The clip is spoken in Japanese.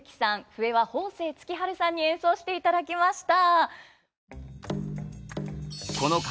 笛は鳳聲月晴さんに演奏していただきました。